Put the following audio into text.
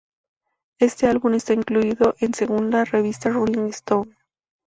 Este álbum está incluido en según la revista Rolling Stone.